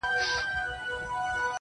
یو څه وخت مي راسره ښکلي بچیان وي -